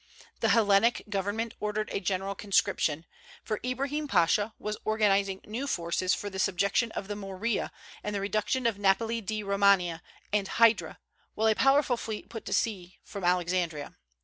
The Hellenic government ordered a general conscription; for Ibrahim Pasha was organizing new forces for the subjection of the Morea and the reduction of Napoli di Romania and Hydra, while a powerful fleet put to sea from Alexandria.